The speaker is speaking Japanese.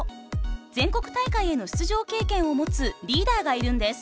全国大会への出場経験を持つリーダーがいるんです。